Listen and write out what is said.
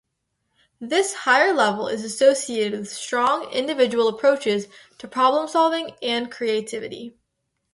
This higher level is associated with strong individual approaches to problem solving and creativity.